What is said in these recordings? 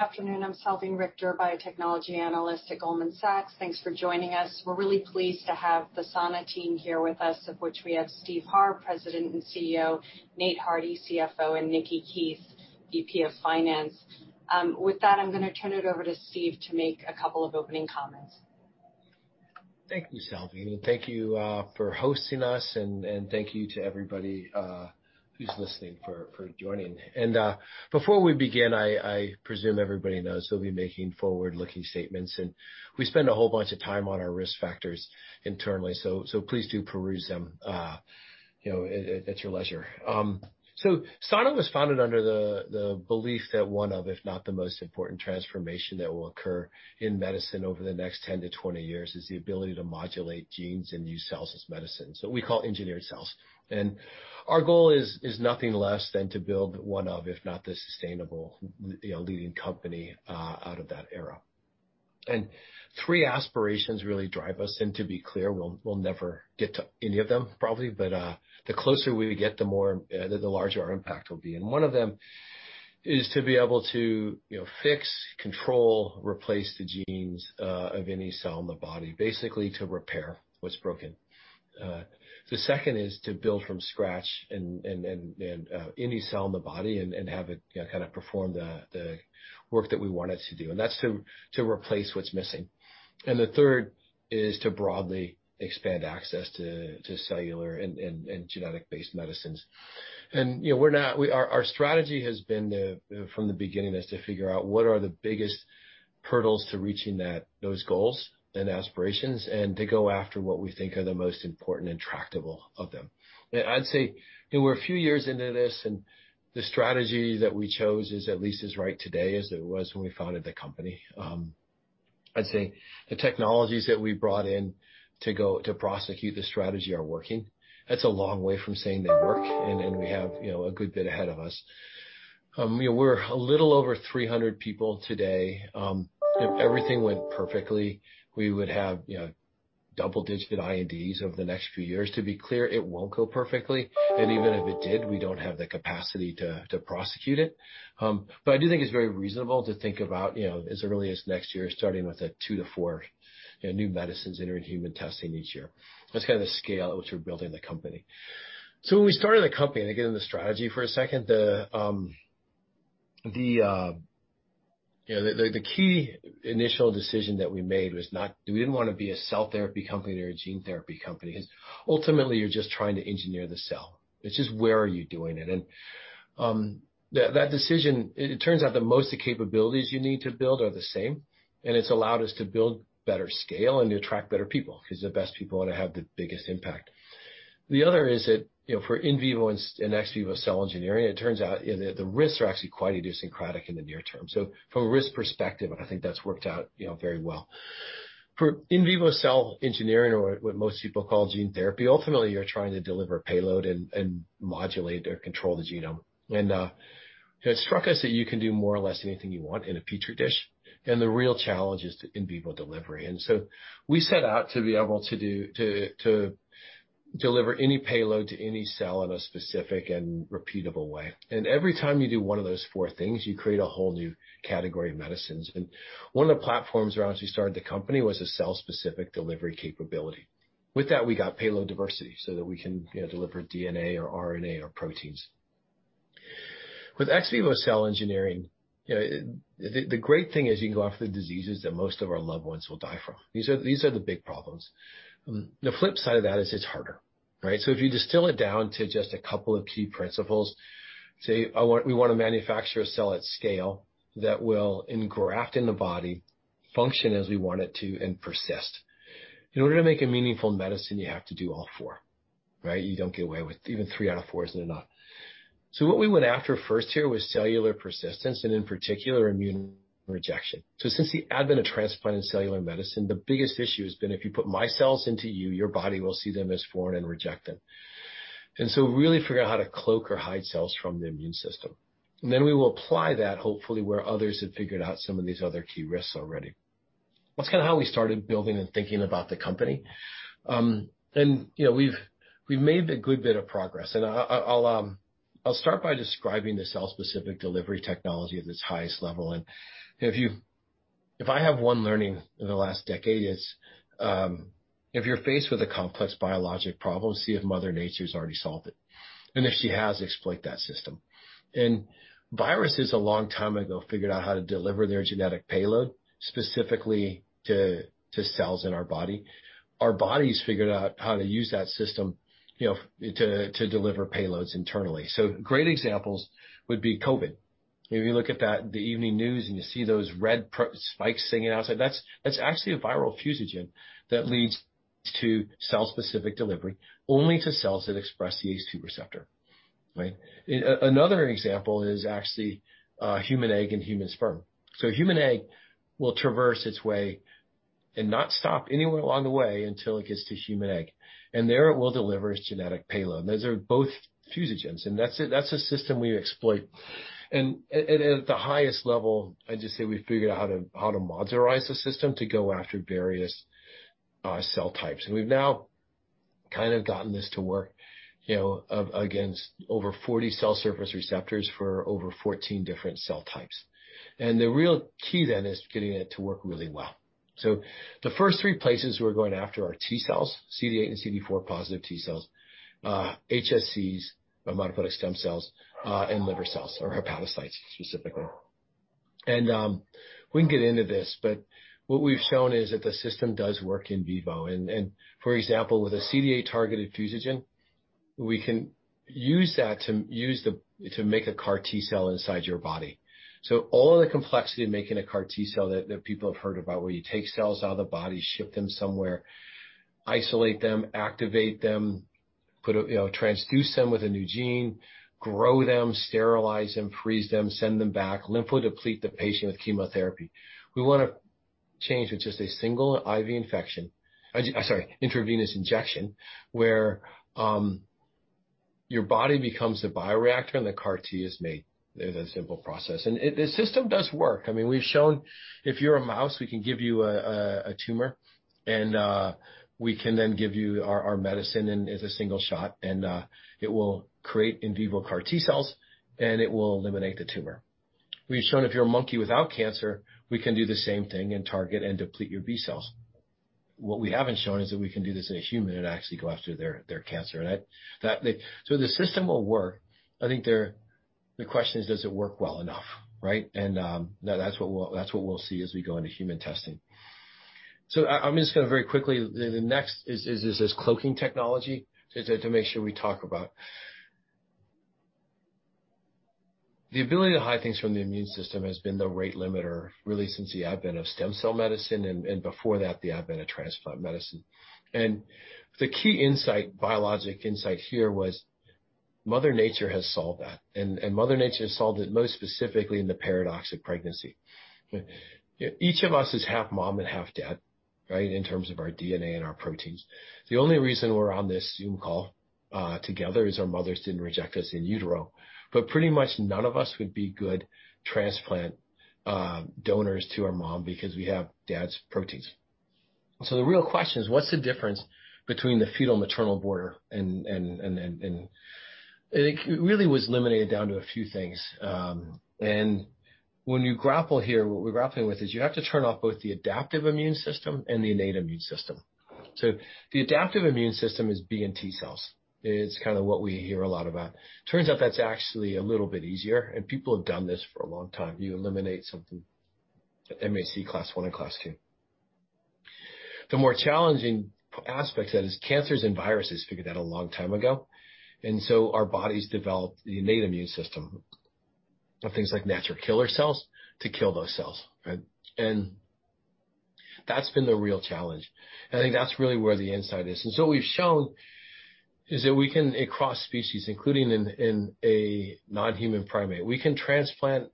Afternoon, I'm Salveen Richter, Biotechnology Analyst at Goldman Sachs. Thanks for joining us. We're really pleased to have the Sana team here with us, of which we have Steve Harr, President and CEO, Nate Hardy, CFO, and Nikki Keith, VP of Finance. With that, I'm going to turn it over to Steve to make a couple of opening comments. Thank you, Salveen. Thank you for hosting us. Thank you to everybody who's listening for joining. Before we begin, I presume everybody knows we'll be making forward-looking statements. We spend a whole bunch of time on our risk factors internally. Please do peruse them at your leisure. Sana was founded under the belief that one of, if not the most important transformation that will occur in medicine over the next 10-20 years is the ability to modulate genes and use cells as medicine. We call engineered cells. Our goal is nothing less than to build one of, if not the sustainable leading company out of that era. Three aspirations really drive us. To be clear, we'll never get to any of them, probably, but the closer we get, the larger our impact will be. One of them is to be able to fix, control, replace the genes of any cell in the body, basically to repair what's broken. The second is to build from scratch any cell in the body and have it perform the work that we want it to do, and that's to replace what's missing. The third is to broadly expand access to cellular and genetic-based medicines. Our strategy from the beginning is to figure out what are the biggest hurdles to reaching those goals and aspirations, and to go after what we think are the most important and tractable of them. I'd say we're a few years into this, and the strategy that we chose is at least as right today as it was when we founded the company. I'd say the technologies that we brought in to prosecute the strategy are working. That's a long way from saying they work, and we have a good bit ahead of us. We're a little over 300 people today. If everything went perfectly, we would have double-digit INDs over the next few years. To be clear, it won't go perfectly, and even if it did, we don't have the capacity to prosecute it. I do think it's very reasonable to think about as early as next year, starting with two-four new medicines entering human testing each year. That's the scale at which we're building the company. When we started the company, again, the strategy for a second, the key initial decision that we made was we didn't want to be a cell therapy company or a gene therapy company. Ultimately, you're just trying to engineer the cell. It's just where are you doing it? That decision, it turns out that most of the capabilities you need to build are the same, and it's allowed us to build better scale and attract better people because the best people are going to have the biggest impact. The other is that for in vivo and ex vivo cell engineering, it turns out the risks are actually quite idiosyncratic in the near term. From a risk perspective, I think that's worked out very well. For in vivo cell engineering or what most people call gene therapy, ultimately, you're trying to deliver payload and modulate or control the genome. It struck us that you can do more or less anything you want in a petri dish, and the real challenge is the in vivo delivery. We set out to be able to deliver any payload to any cell in a specific and repeatable way. Every time you do one of those four things, you create a whole new category of medicines. One of the platforms around which we started the company was a cell-specific delivery capability. With that, we got payload diversity so that we can deliver DNA or RNA or proteins. With ex vivo cell engineering, the great thing is you go after the diseases that most of our loved ones will die from. These are the big problems. The flip side of that is it's harder. If you distill it down to just a couple of key principles, say we want to manufacture a cell at scale that will engraft in the body, function as we want it to, and persist. In order to make a meaningful medicine, you have to do all four. You don't get away with even three out of four is enough. What we went after first here was cellular persistence and in particular, immune rejection. Since the advent of transplant and cellular medicine, the biggest issue has been if you put my cells into you, your body will see them as foreign and reject it. Really figure out how to cloak or hide cells from the immune system. We will apply that, hopefully, where others have figured out some of these other key risks already. That's how we started building and thinking about the company. We've made a good bit of progress. I'll start by describing the cell-specific delivery technology at its highest level. If I have one learning in the last decade, it's if you're faced with a complex biologic problem, see if Mother Nature's already solved it. If she has, exploit that system. Viruses a long time ago figured out how to deliver their genetic payload specifically to cells in our body. Our bodies figured out how to use that system to deliver payloads internally. Great examples would be COVID. Maybe you look at the evening news and you see those red spikes sticking out. That's actually a viral fusogen that leads to cell-specific delivery only to cells that express the ACE2 receptor. Another example is actually human egg and human sperm. Human egg will traverse its way and not stop anywhere along the way until it gets to human egg. There it will deliver its genetic payload. Those are both fusogens, and that's a system we exploit. At the highest level, I just say we figured out how to modularize the system to go after various cell types. We've now kind of gotten this to work against over 40 cell surface receptors for over 14 different cell types. The real key then is getting it to work really well. The first three places we're going after are T-cells, CD8 and CD4 positive T-cells, HSCs, or hematopoietic stem cells, and liver cells, or hepatocytes specifically. We can get into this, but what we've shown is that the system does work in vivo. For example, with a CD8 targeted fusogen, we can use that to make a CAR T-cell inside your body. All of the complexity of making a CAR T-cell that people have heard about, where you take cells out of the body, ship them somewhere, isolate them, activate them, transduce them with a new gene, grow them, sterilize them, freeze them, send them back, lymphodeplete the patient with chemotherapy. We want to change to just a single intravenous injection, where your body becomes the bioreactor and the CAR T is made in a simple process. The system does work. We've shown if you're a mouse, we can give you a tumor, and we can then give you our medicine and as a single shot, and it will create in vivo CAR T-cells, and it will eliminate the tumor. We've shown if you're a monkey without cancer, we can do the same thing and target and deplete your B-cells. What we haven't shown is that we can do this in a human and actually go after their cancer. The system will work. I think the question is, does it work well enough, right? That's what we'll see as we go into human testing. I'm just going to very quickly, the next is this cloaking technology, to make sure we talk about. The ability to hide things from the immune system has been the rate limiter, really since the advent of stem cell medicine, and before that, the advent of transplant medicine. The key biologic insight here was Mother Nature has solved that, and Mother Nature has solved it most specifically in the paradox of pregnancy. Each of us is half mom and half dad, right? In terms of our DNA and our proteins. The only reason we're on this Zoom call together is our mothers didn't reject us in utero. Pretty much none of us would be good transplant donors to our mom because we have dad's proteins. The real question is, what's the difference between the fetal-maternal border? It really was eliminated down to a few things. When you grapple here, what we're grappling with is you have to turn off both the adaptive immune system and the innate immune system. The adaptive immune system is B and T-cells. It's kind of what we hear a lot about. Turns out that's actually a little bit easier, and people have done this for a long time. You eliminate something, MHC class I and class II. The more challenging aspect is cancers and viruses figured that a long time ago, our bodies developed the innate immune system of things like natural killer cells to kill those cells. Right? That's been the real challenge, and I think that's really where the insight is. What we've shown is that we can, across species, including in a non-human primate, we can transplant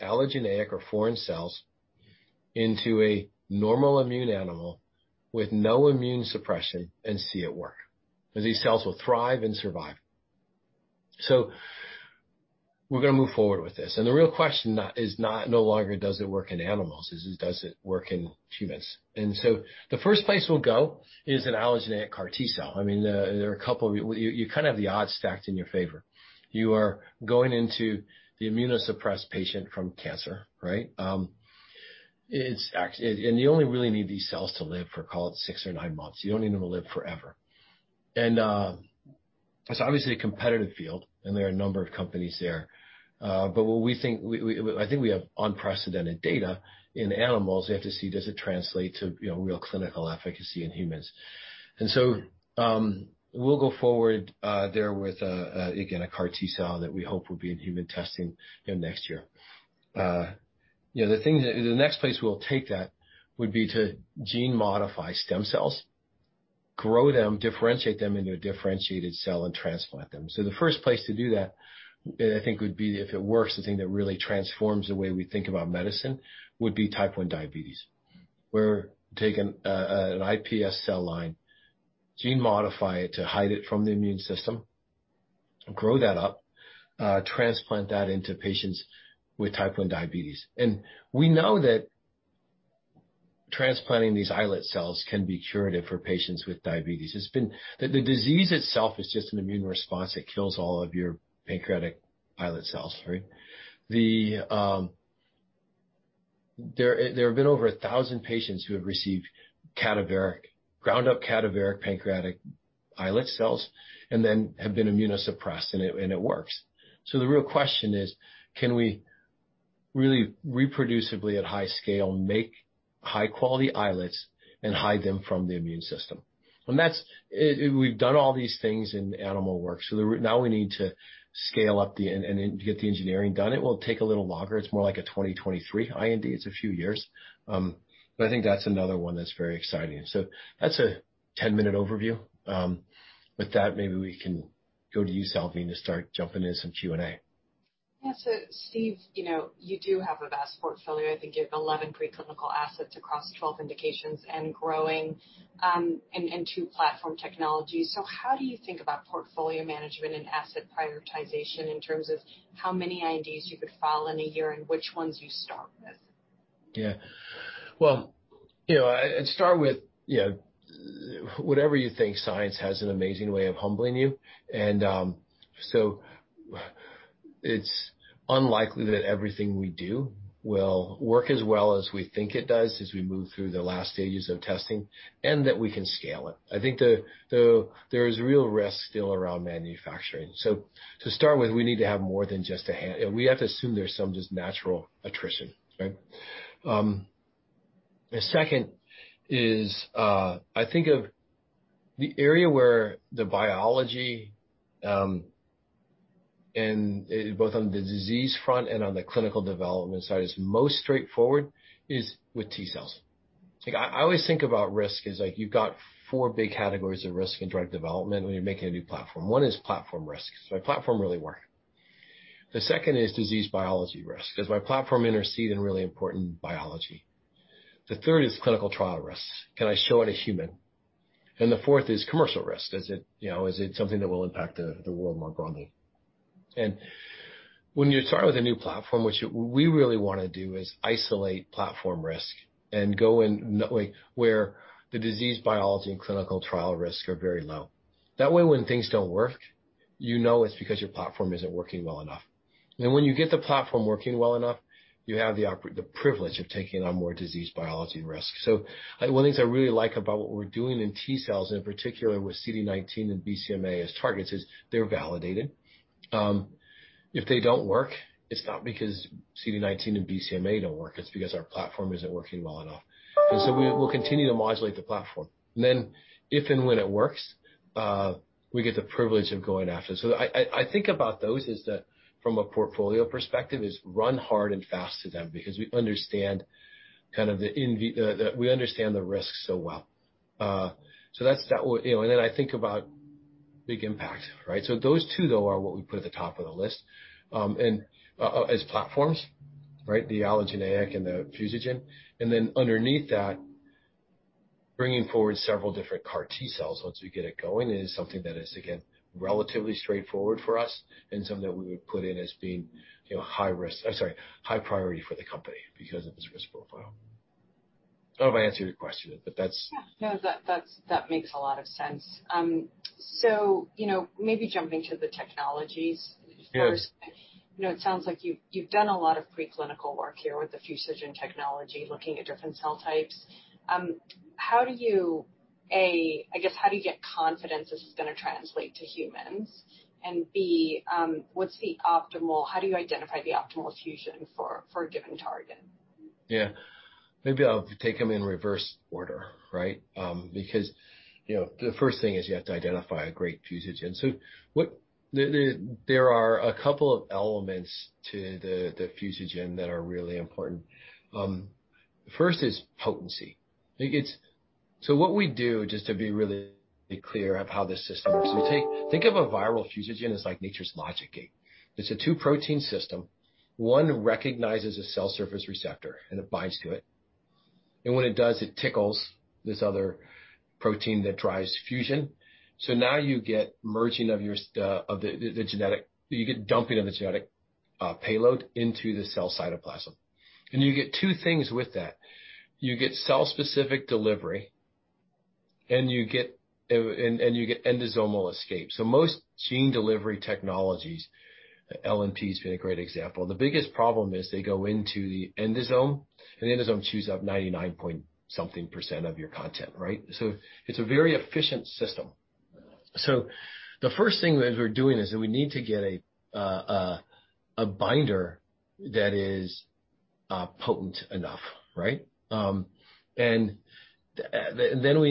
allogeneic or foreign cells into a normal immune animal with no immune suppression and see it work. These cells will thrive and survive. We're going to move forward with this, and the real question is no longer does it work in animals, is does it work in humans? The first place we'll go is an allogeneic CAR T-cell. You kind of have the odds stacked in your favor. You are going into the immunosuppressed patient from cancer, right? You only really need these cells to live for, call it six or nine months. You don't need them to live forever. It's obviously a competitive field, and there are a number of companies there. I think we have unprecedented data in animals. We have to see does it translate to real clinical efficacy in humans. We'll go forward there with, again, a CAR T-cell that we hope will be in human testing next year. The next place we'll take that would be to gene modify stem cells, grow them, differentiate them into a differentiated cell, and transplant them. The first place to do that, I think, would be if it works, the thing that really transforms the way we think about medicine would be type 1 diabetes. We're taking an iPS cell line, gene modify it to hide it from the immune system, grow that up, transplant that into patients with type 1 diabetes. We know that transplanting these islet cells can be curative for patients with diabetes. The disease itself is just an immune response that kills all of your pancreatic islet cells, right? There have been over 1,000 patients who have received ground up cadaveric pancreatic islet cells and then have been immunosuppressed, and it works. The real question is, can we really reproducibly, at high scale, make high-quality islets and hide them from the immune system? We've done all these things in animal work, now we need to scale up and get the engineering done. It will take a little longer. It's more like a 2023 IND. It's a few years. I think that's another one that's very exciting. That's a 10-minute overview. With that, maybe we can go to you, Salveen, to start jumping into some Q&A. Yeah. Steve, you do have a vast portfolio. I think you have 11 pre-clinical assets across 12 indications and growing, and two platform technologies. How do you think about portfolio management and asset prioritization in terms of how many INDs you could file in a year and which ones you start with? Well, I'd start with, whatever you think, science has an amazing way of humbling you. It's unlikely that everything we do will work as well as we think it does as we move through the last stages of testing, and that we can scale it. I think there is real risk still around manufacturing. To start with, we need to have more than just We have to assume there's some just natural attrition, right? The second is, I think of the area where the biology, both on the disease front and on the clinical development side, is most straightforward is with T-cells. I always think about risk as like you've got four big categories of risk in drug development when you're making a new platform. One is platform risk. Does my platform really work? The second is disease biology risk. Does my platform intercede in really important biology? The third is clinical trial risk. Can I show it in human? The fourth is commercial risk. Is it something that will impact the world more broadly? When you start with a new platform, which we really want to do is isolate platform risk and go in where the disease biology and clinical trial risk are very low. That way, when things don't work, you know it's because your platform isn't working well enough. When you get the platform working well enough, you have the privilege of taking on more disease biology risk. One of the things I really like about what we're doing in T-cells, and in particular with CD19 and BCMA as targets, is they're validated. If they don't work, it's not because CD19 and BCMA don't work, it's because our platform isn't working well enough. We'll continue to modulate the platform. If and when it works, we get the privilege of going after it. I think about those is that from a portfolio perspective, is run hard and fast to them because we understand the risks so well. I think about big impact, right? Those two, though, are what we put at the top of the list as platforms, right? The allogeneic and the fusogen. Underneath that, bringing forward several different CAR T-cells once we get it going is something that is, again, relatively straightforward for us and something that we would put in as being high priority for the company because of its risk profile. I don't know if I answered your question. Yeah. No, that makes a lot of sense. Maybe jumping to the technologies. Yes. It sounds like you've done a lot of preclinical work here with the fusogen technology, looking at different cell types. How do you, A, I guess, how do you get confidence this is going to translate to humans? B, how do you identify the optimal fusion for a given target? Yeah. Maybe I'll take them in reverse order, right? The first thing is you have to identify a great fusogen. There are a couple of elements to the fusogen that are really important. First is potency. What we do, just to be really clear of how this system works, think of a viral fusogen as like nature's logic gate. It's a two-protein system. One recognizes a cell surface receptor and it binds to it. When it does, it tickles this other protein that drives fusogen. Now you get merging of the genetic, you get dumping of the genetic payload into the cell cytoplasm. You get two things with that. You get cell-specific delivery, and you get endosomal escape. Most gene delivery technologies, LNPs been a great example, the biggest problem is they go into the endosome, and the endosome chews up 99%-point-something of your content, right? It's a very efficient system. The first thing that we're doing is that we need to get a binder that is potent enough, right? We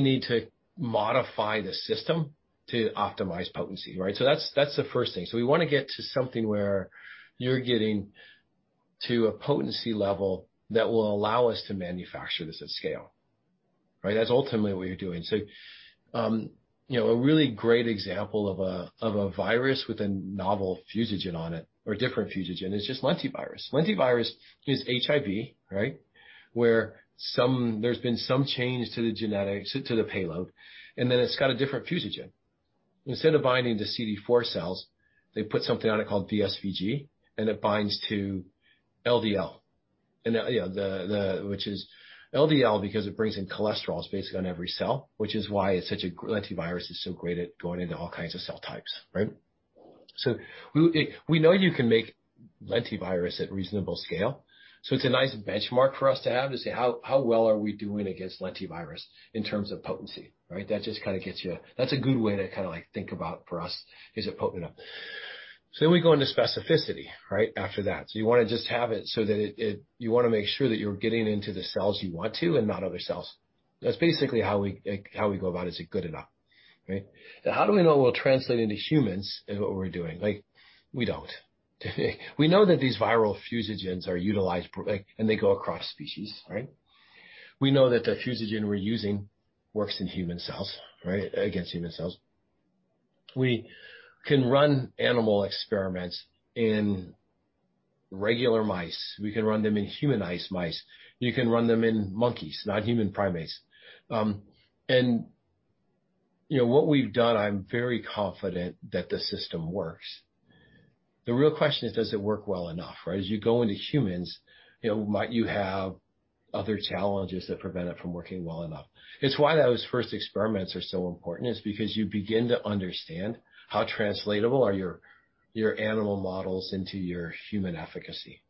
need to modify the system to optimize potency, right? That's the first thing. We want to get to something where you're getting to a potency level that will allow us to manufacture this at scale. Right? That's ultimately what you're doing. A really great example of a virus with a novel fusogen on it or a different fusogen is just lentivirus. Lentivirus is HIV, right, where there's been some change to the genetics, to the payload, and then it's got a different fusogen. Instead of binding the CD4 cells, they put something on it called VSV-G, it binds to LDLR. Which is LDLR because it brings in cholesterol. It's basically on every cell, which is why lentivirus is so great at going into all kinds of cell types, right? We know you can make lentivirus at reasonable scale. It's a nice benchmark for us to have to say how well are we doing against lentivirus in terms of potency, right? That just kind of gets you. That's a good way to think about for us, is it potent enough? We go into specificity, right, after that. You want to just have it so that you want to make sure that you're getting into the cells you want to and not other cells. That's basically how we go about, is it good enough, right? Now, how do we know it will translate into humans in what we're doing? We don't. We know that these viral fusogens are utilized, they go across species, right? We know that the fusogen we're using works in human cells, right, against human cells. We can run animal experiments in regular mice. We can run them in humanized mice. You can run them in monkeys, non-human primates. What we've done, I'm very confident that the system works. The real question is, does it work well enough? As you go into humans, you have other challenges that prevent it from working well enough. It's why those first experiments are so important, is because you begin to understand how translatable are your animal models into your human efficacy.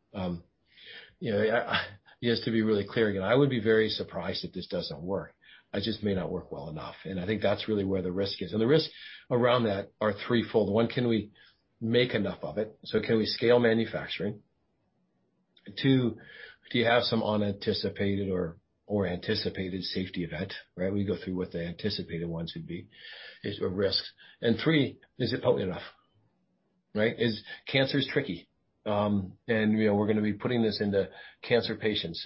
Just to be really clear, I would be very surprised if this doesn't work. It just may not work well enough, and I think that's really where the risk is. The risks around that are threefold. One, can we make enough of it? Can we scale manufacturing? Two, do you have some unanticipated or anticipated safety event? We go through what the anticipated ones would be. It's a risk. Three, is it potent enough? Cancer is tricky. We're going to be putting this into cancer patients.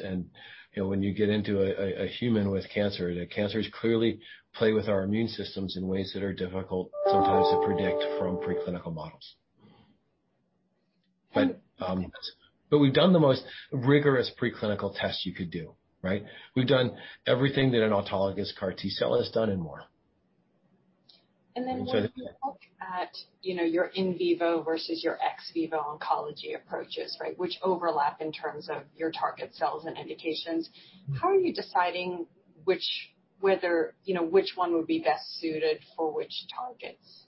When you get into a human with cancer, cancers clearly play with our immune systems in ways that are difficult sometimes to predict from preclinical models. We've done the most rigorous preclinical tests you could do. We've done everything that an autologous CAR T-cell has done and more. As you look at your in vivo versus your ex vivo oncology approaches, which overlap in terms of your target cells and indications, how are you deciding which one would be best suited for which targets?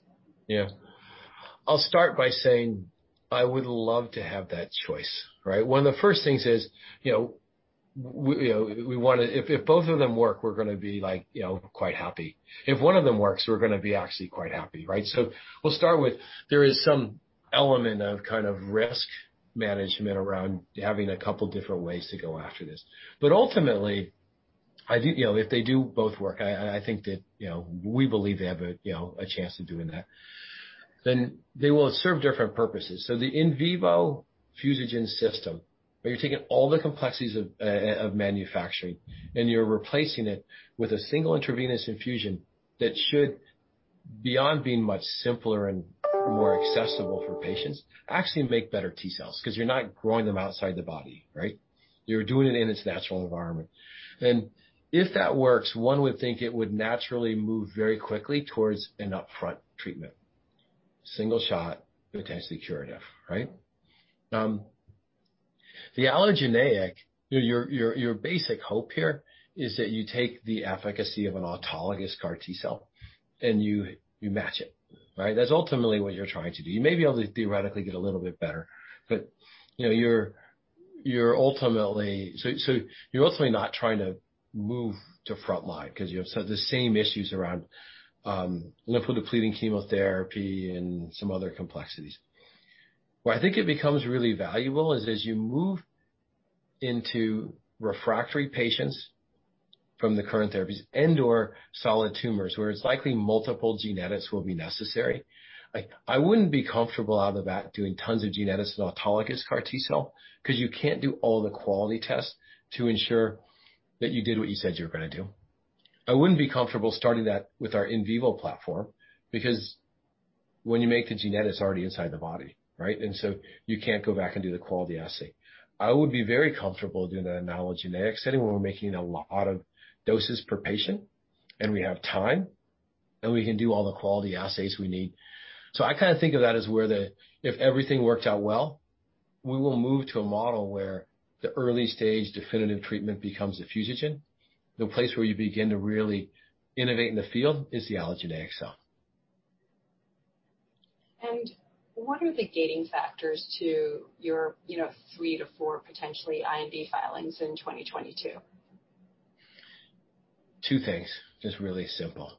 I'll start by saying I would love to have that choice. One of the first things is, if both of them work, we're going to be quite happy. If one of them works, we're going to be actually quite happy. We'll start with, there is some element of risk management around having a couple of different ways to go after this. Ultimately, if they do both work, we believe they have a chance of doing that. They will serve different purposes. The in vivo fusogen system, where you're taking all the complexities of manufacturing and you're replacing it with a single intravenous infusion that should, beyond being much simpler and more accessible for patients, actually make better T-cells because you're not growing them outside the body. You're doing it in its natural environment. If that works, one would think it would naturally move very quickly towards an upfront treatment. Single shot, potentially curative. The allogeneic, your basic hope here is that you take the efficacy of an autologous CAR T-cell and you match it. That's ultimately what you're trying to do. You maybe theoretically get a little bit better, but you're ultimately not trying to move to frontline because you have the same issues around lymphodepleting chemotherapy and some other complexities. Where I think it becomes really valuable is as you move into refractory patients from the current therapies and/or solid tumors where it's likely multiple genetics will be necessary. I wouldn't be comfortable out of the bat doing tons of genetics in autologous CAR T-cell because you can't do all the quality tests to ensure that you did what you said you were going to do. I wouldn't be comfortable starting that with our in vivo platform because when you make the genetics already inside the body. You can't go back and do the quality assay. I would be very comfortable doing that in allogeneic setting where we're making a lot of doses per patient, and we have time, and we can do all the quality assays we need. I think of that as where if everything works out well, we will move to a model where the early stage definitive treatment becomes a fusogen. The place where you begin to really innovate in the field is the allogeneic cell. What are the gating factors to your three-four potentially IND filings in 2022? Two things, just really simple.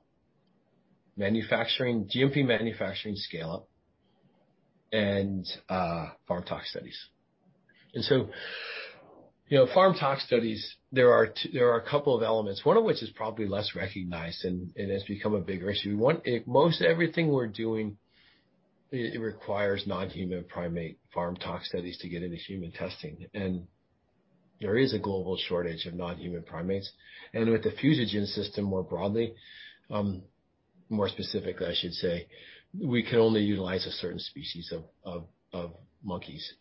GMP manufacturing scale-up and pharm tox studies. Pharm tox studies, there are couple of elements, one of which is probably less recognized and has become a bigger issue. Most everything we're doing, it requires non-human primate pharm tox studies to get into human testing, and there is a global shortage of non-human primates. With the fusogen system more broadly, more specifically, I should say, we can only utilize a certain species of monkeys.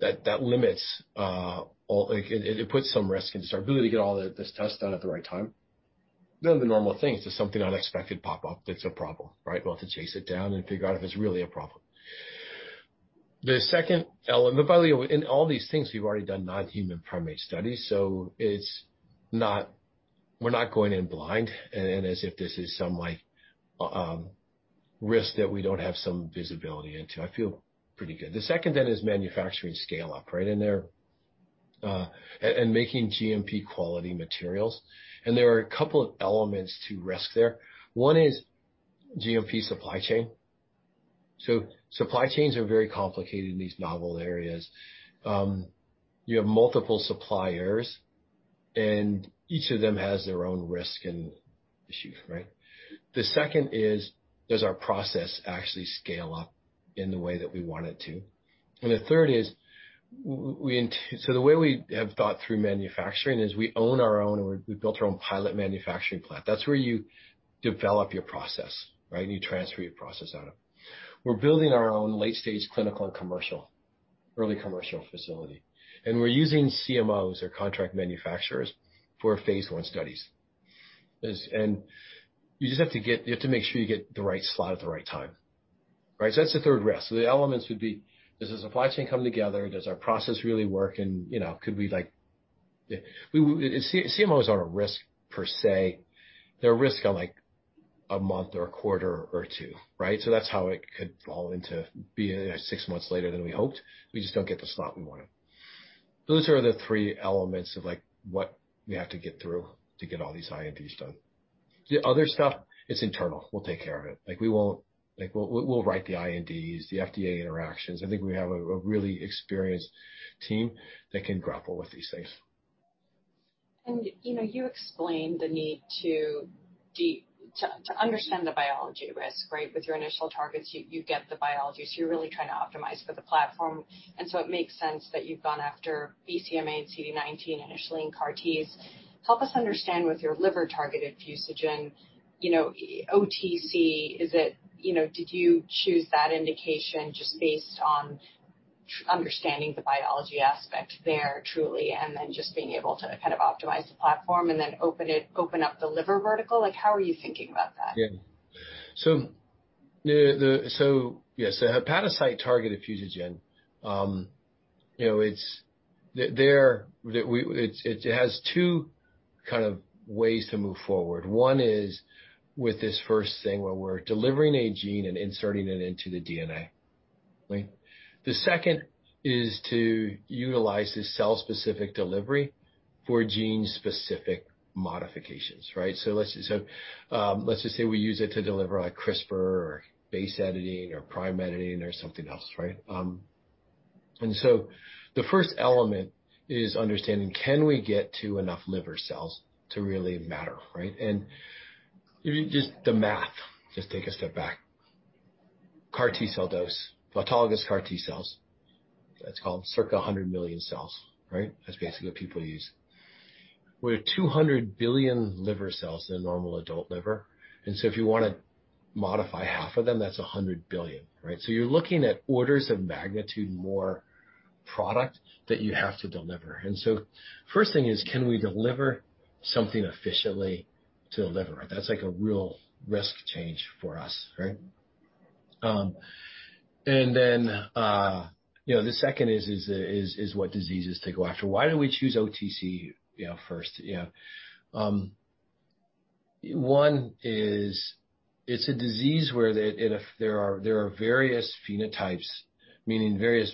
That limits or it puts some risk in. Are we going to get all this test done at the right time? The normal things, does something unexpected pop up that's a problem? We'll have to chase it down and figure out if it's really a problem. The second element, by the way, in all these things, we've already done non-human primate studies, so we're not going in blind and as if this is some risk that we don't have some visibility into. I feel pretty good. The second is manufacturing scale-up. Making GMP quality materials. There are a couple of elements to risk there. One is GMP supply chain. Supply chains are very complicated in these novel areas. You have multiple suppliers and each of them has their own risk and issues. The second is, does our process actually scale up in the way that we want it to? The third is, the way we have thought through manufacturing is we built our own pilot manufacturing plant. That's where you develop your process. You transfer your process out. We're building our own late-stage clinical and commercial facility. We're using CMOs or contract manufacturers for our phase I studies. You just have to make sure you get the right slot at the right time. That's the third risk. The elements would be, does the supply chain come together, does our process really work, and could we like CMOs aren't a risk per se. They're a risk on a month or a quarter or two. That's how it could fall into being six months later than we hoped. We just don't get the slot we wanted. Those are the three elements of what we have to get through to get all these INDs done. The other stuff, it's internal. We'll take care of it. We'll write the INDs, the FDA interactions. I think we have a really experienced team that can grapple with these things. You explained the need to understand the biology risk, with your initial targets, you get the biology, so you're really trying to optimize for the platform. It makes sense that you've gone after BCMA and CD19 initially in CAR Ts. Help us understand with your liver-targeted fusogen, OTC, did you choose that indication just based on understanding the biology aspect there truly, and then just being able to optimize the platform and then open up the liver vertical? How are you thinking about that? Yeah. A hepatocyte-targeted fusogen. It has two ways to move forward. One is with this first thing where we're delivering a gene and inserting it into the DNA. The second is to utilize this cell-specific delivery for gene-specific modifications. Let's just say we use it to deliver a CRISPR or base editing or prime editing or something else. The first element is understanding, can we get to enough liver cells to really matter? Just the math, just take a step back. CAR T-cell dose, autologous CAR T-cells, that's called circa 100 million cells. That's basically what people use. We have 200 billion liver cells in a normal adult liver, if you want to modify half of them, that's 100 billion. You're looking at orders of magnitude more product that you have to deliver. First thing is, can we deliver something efficiently to the liver? That's like a real risk change for us. The second is what diseases to go after. Why did we choose OTC first? One is, it's a disease where there are various phenotypes, meaning various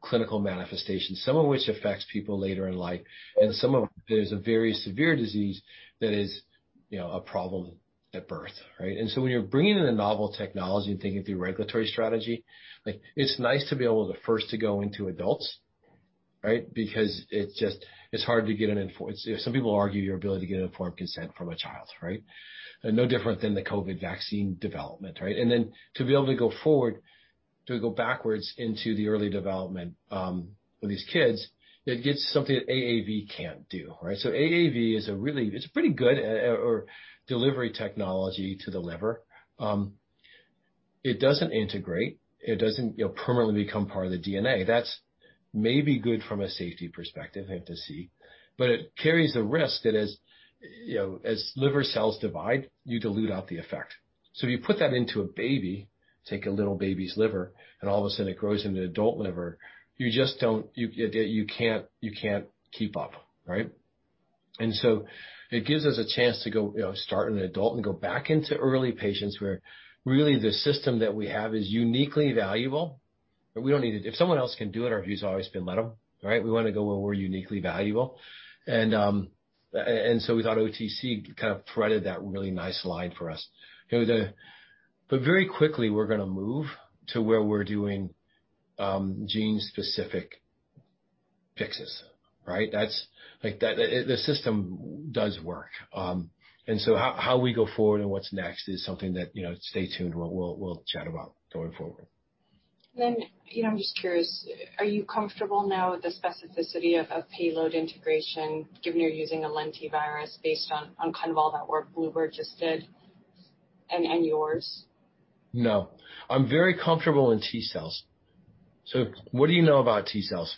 clinical manifestations, some of which affects people later in life, and some of them, there's a very severe disease that is a problem at birth. When you're bringing in a novel technology and thinking through regulatory strategy, it's nice to be able to first to go into adults. Because it's hard to get an informed. Some people argue your ability to get informed consent from a child. No different than the COVID vaccine development. To be able to go forward, to go backwards into the early development for these kids, that gets something that AAV can't do. AAV is a pretty good delivery technology to the liver. It doesn't integrate. It doesn't permanently become part of the DNA. That's maybe good from a safety perspective, have to see. It carries a risk that as liver cells divide, you dilute out the effect. If you put that into a baby, take a little baby's liver, and all of a sudden it grows into an adult liver, you can't keep up. It gives us a chance to start in an adult and go back into early patients where really the system that we have is uniquely valuable, but we don't need it. If someone else can do it, our view's always been let them. We want to go where we're uniquely valuable. We thought OTC kind of threaded that really nice line for us. Very quickly, we're going to move to where we're doing gene-specific fixes. The system does work. How we go forward and what's next is something that stay tuned, we'll chat about going forward. I'm just curious, are you comfortable now with the specificity of payload integration given you're using a lentivirus based on all that work Bluebird just did and yours? I'm very comfortable in T-cells. What do you know about T-cells?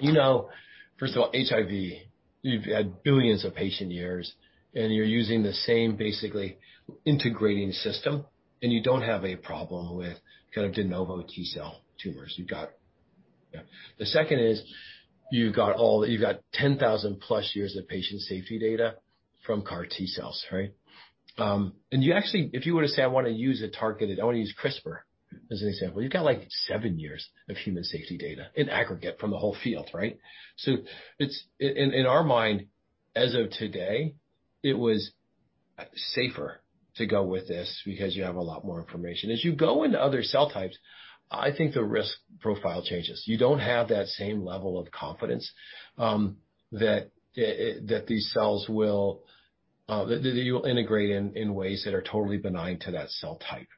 You know, first of all, HIV, you've had billions of patient years, and you're using the same basically integrating system, and you don't have a problem with de novo T-cell tumors. The second is you've got 10,000 plus years of patient safety data from CAR T-cells. You actually, if you were to say, "I want to use a targeted, I want to use CRISPR," as an example, you've got seven years of human safety data in aggregate from the whole field. In our mind, as of today, it was safer to go with this because you have a lot more information. As you go into other cell types, I think the risk profile changes. You don't have that same level of confidence that these cells will integrate in ways that are totally benign to that cell type.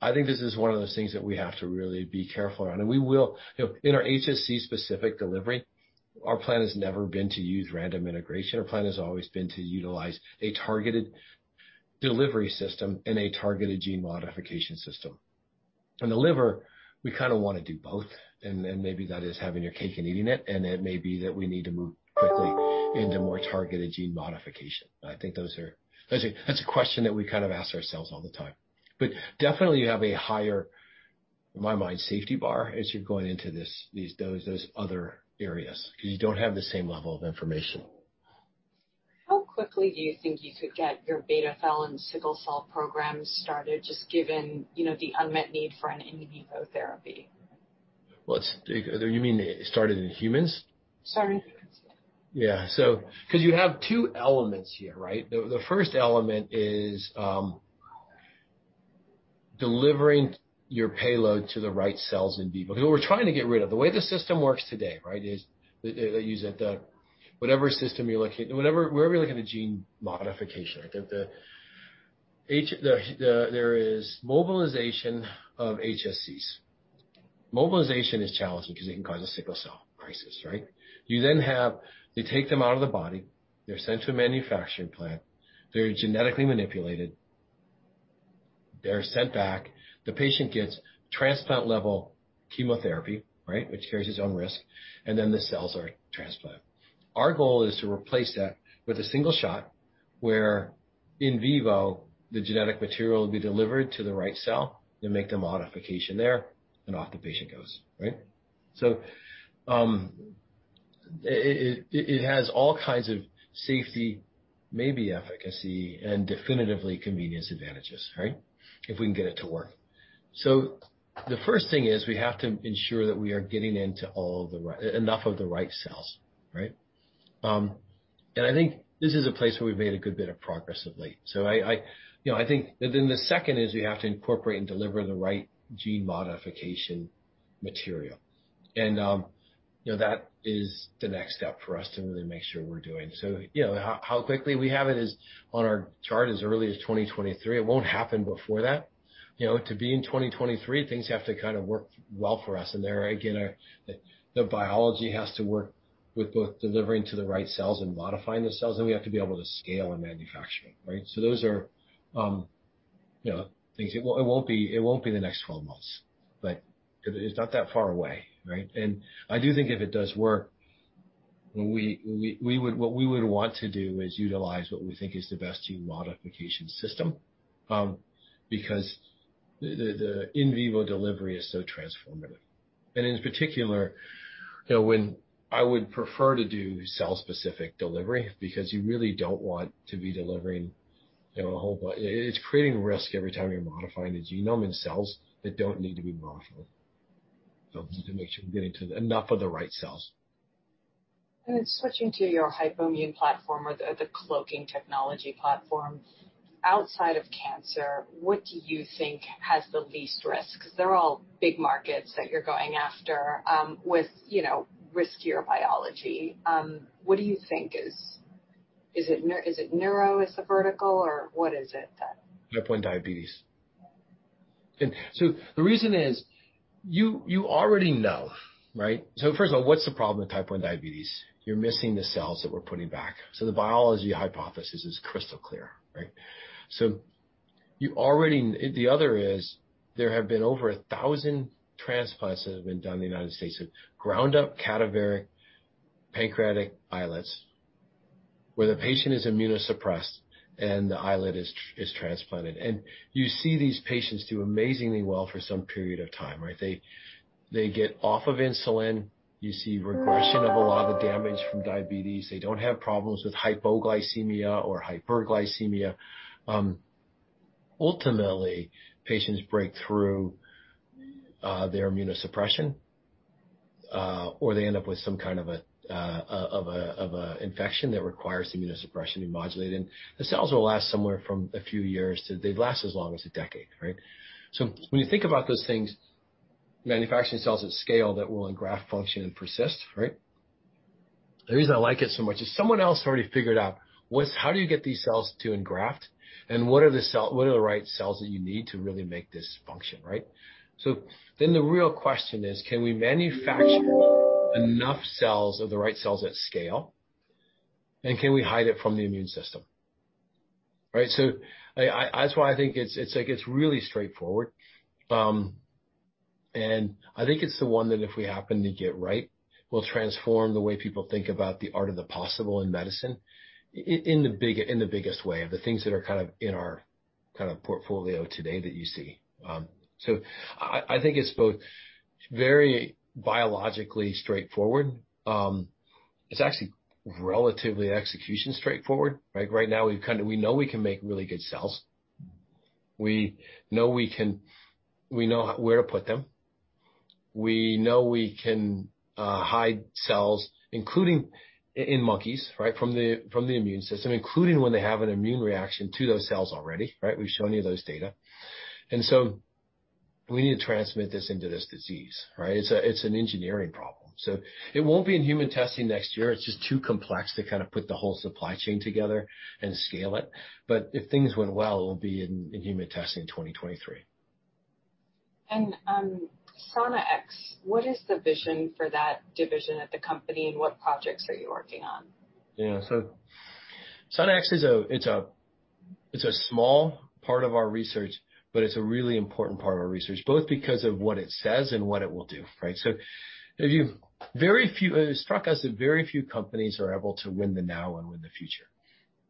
I think this is one of those things that we have to really be careful around, and we will. In our HSC-specific delivery. Our plan has never been to use random integration. Our plan has always been to utilize a targeted delivery system and a targeted gene modification system. In the liver, we kind of want to do both, maybe that is having your cake and eating it may be that we need to move quickly into more targeted gene modification. That's a question that we kind of ask ourselves all the time. Definitely you have a higher, in my mind, safety bar as you're going into those other areas, because you don't have the same level of information. How quickly do you think you could get your beta thal and sickle cell programs started, just given the unmet need for an in vivo therapy? You mean started in humans? Started in humans, yeah. Yeah. You have two elements here, right? The first element is delivering your payload to the right cells in vivo. What we're trying to get rid of, the way the system works today, right, wherever you're looking at gene modification, there is mobilization of HSCs. Mobilization is challenging because it can cause a sickle cell crisis, right? You take them out of the body, they're sent to a manufacturing plant, they're genetically manipulated, they're sent back. The patient gets transplant-level chemotherapy, right, which carries its own risk, then the cells are transplanted. Our goal is to replace that with a single shot where in vivo, the genetic material will be delivered to the right cell. You make the modification there, off the patient goes, right? It has all kinds of safety, maybe efficacy, and definitively convenience advantages, right? If we can get it to work. The first thing is we have to ensure that we are getting into enough of the right cells, right? I think this is a place where we've made a good bit of progress of late. The second is we have to incorporate and deliver the right gene modification material. That is the next step for us to really make sure we're doing. How quickly we have it is on our chart as early as 2023. It won't happen before that. To be in 2023, things have to kind of work well for us in there, right? The biology has to work with both delivering to the right cells and modifying the cells, and we have to be able to scale in manufacturing, right? It won't be the next 12 months. It's not that far away, right? I do think if it does work, what we would want to do is utilize what we think is the best gene modification system, because the in vivo delivery is so transformative. In particular, I would prefer to do cell-specific delivery, because you really don't want to be delivering a whole bunch. It's creating risk every time you're modifying a genome in cells that don't need to be modified. We need to make sure we're getting to enough of the right cells. Then switching to your hypoimmune platform or the cloaking technology platform. Outside of cancer, what do you think has the least risk? Because they're all big markets that you're going after with riskier biology. What do you think is it, neuro as a vertical, or what is it? Type 1 diabetes. The reason is, you already know, right? First of all, what's the problem with type 1 diabetes? You're missing the cells that we're putting back. The biology hypothesis is crystal clear, right? The other is, there have been over 1,000 transplants that have been done in the U.S. of ground up cadaveric pancreatic islets, where the patient is immunosuppressed and the islet is transplanted. You see these patients do amazingly well for some period of time, right? They get off of insulin. You see regression of a lot of the damage from diabetes. They don't have problems with hypoglycemia or hyperglycemia. Ultimately, patients break through their immunosuppression, or they end up with some kind of an infection that requires immunosuppression to be modulated. The cells will last somewhere from a few years to, they've lasted as long as a decade, right? When you think about those things, manufacturing cells at scale that will engraft, function, and persist, right? The reason I like it so much is someone else already figured out how do you get these cells to engraft, and what are the right cells that you need to really make this function, right? The real question is, can we manufacture enough cells of the right cells at scale, and can we hide it from the immune system? Right? That's why I think it's really straightforward. I think it's the one that if we happen to get right, will transform the way people think about the art of the possible in medicine in the biggest way, of the things that are kind of in our portfolio today that you see. I think it's both very biologically straightforward. It's actually relatively execution straightforward, right? Right now, we know we can make really good cells. We know where to put them. We know we can hide cells, including in monkeys, right, from the immune system, including when they have an immune reaction to those cells already. Right? We've shown you those data. We need to transmit this into this disease, right? It's an engineering problem. It won't be in human testing next year. It's just too complex to kind of put the whole supply chain together and scale it. If things went well, it will be in human testing in 2023. Sana-X, what is the vision for that division at the company, and what projects are you working on? Yeah. Sana-X is a small part of our research, but it's a really important part of our research, both because of what it says and what it will do. Right? It struck us that very few companies are able to win the now and win the future.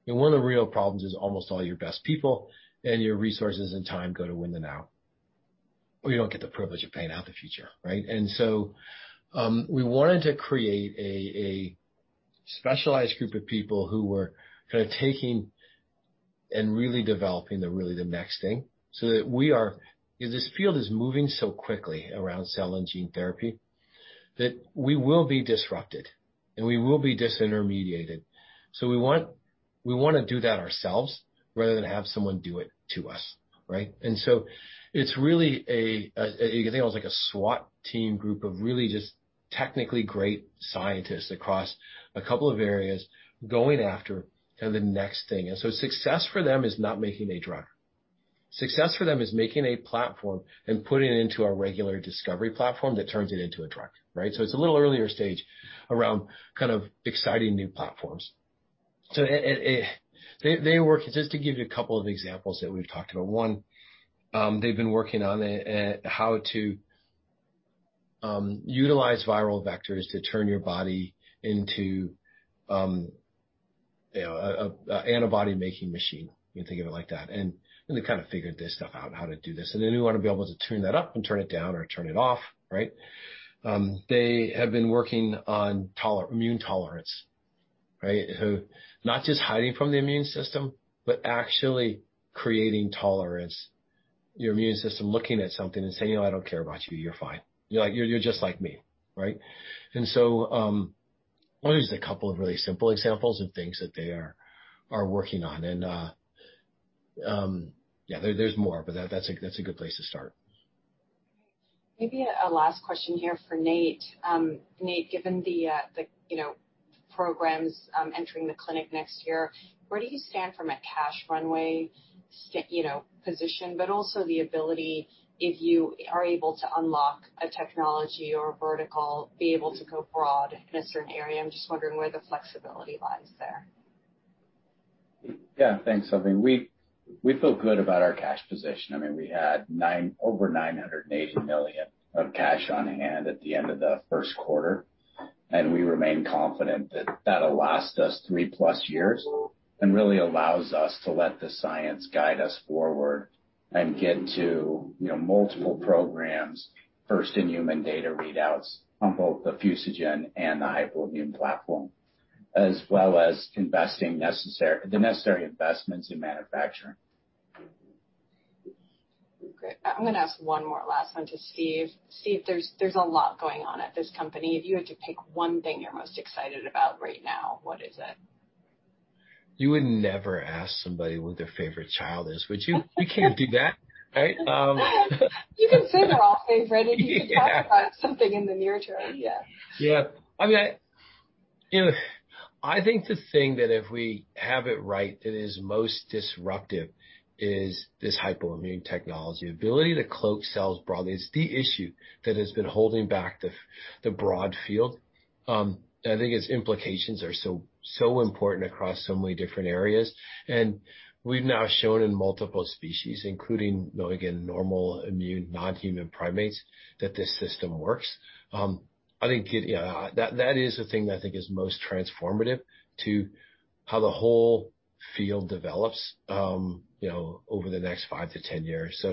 One of the real problems is almost all your best people and your resources and time go to win the now, or you don't get the privilege of playing out the future. Right? We wanted to create a specialized group of people who were taking and really developing the next thing so that This field is moving so quickly around cell and gene therapy that we will be disrupted, and we will be disintermediated. We want to do that ourselves rather than have someone do it to us. Right? It's really a, you can think of it as like a SWAT team group of really just technically great scientists across a couple of areas going after the next thing. Success for them is not making a drug. Success for them is making a platform and putting it into our regular discovery platform that turns it into a drug. Right? It's a little earlier stage around kind of exciting new platforms. Just to give you a couple of examples that we've talked about. One, they've been working on how to utilize viral vectors to turn your body into an antibody-making machine. You can think of it like that. They've kind of figured this stuff out, how to do this. We want to be able to turn that up and turn it down or turn it off. Right? They have been working on immune tolerance. Right? Not just hiding from the immune system, but actually creating tolerance. Your immune system looking at something and saying, "I don't care about you. You're fine. You're just like me." Right? I'll use two really simple examples of things that they are working on. Yeah, there's more, but that's a good place to start. Maybe a last question here for Nate. Nate, given the programs entering the clinic next year, where do you stand from a cash runway position, but also the ability, if you are able to unlock a technology or a vertical, be able to go broad in a certain area? I'm just wondering where the flexibility lies there. Yeah. Thanks, Salveen. We feel good about our cash position. We had over $980 million of cash on hand at the end of the first quarter, and we remain confident that that'll last us 3+ years and really allows us to let the science guide us forward and get to multiple programs, first in human data readouts on both the fusogen and the hypoimmune platform, as well as the necessary investments in manufacturing. Great. I'm going to ask one more last one to Steve. Steve, there's a lot going on at this company. If you had to pick one thing you're most excited about right now, what is it? You would never ask somebody who their favorite child is, would you? You can't do that. Right? You can say they're all favorite-. Yeah. You can talk about something in the near term. Yeah. I think the thing that if we have it right that is most disruptive is this hypoimmune technology. The ability to cloak cells broadly is the issue that has been holding back the broad field. I think its implications are so important across so many different areas. We've now shown in multiple species, including, again, normal immune non-human primates, that this system works. That is the thing that I think is most transformative to how the whole field develops over the next 5-10 years.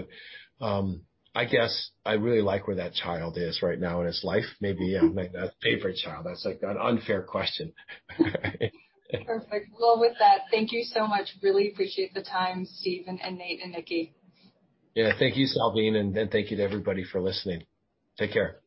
I guess I really like where that child is right now in its life. Maybe, yeah, maybe not favorite child. That's an unfair question. Perfect. Well, with that, thank you so much. Really appreciate the time, Steve and Nate and Nikki. Yeah. Thank you, Salveen, and thank you to everybody for listening. Take care.